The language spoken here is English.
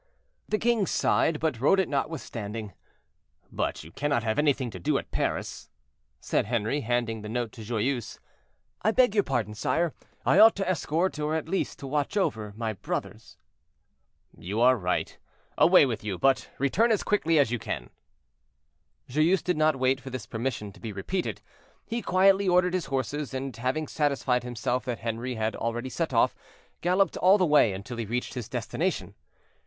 The king sighed, but wrote it notwithstanding. "But you cannot have anything to do at Paris?" said Henri, handing the note to Joyeuse. "I beg your pardon, sire, I ought to escort, or at least, to watch over, my brothers." "You are right; away with you, but return as quickly as you can." Joyeuse did not wait for this permission to be repeated; he quietly ordered his horses, and having satisfied himself that Henri had already set off, galloped all the way until he reached his destination.